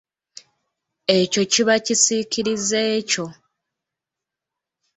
Ekyo kiba kisiikirize kyo.